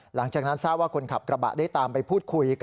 หลังจากทราบว่าคนขับกระบะได้ตามไปพูดคุย